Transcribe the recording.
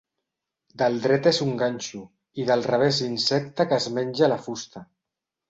Del dret és un ganxo i del revés insecte que es menja la fusta.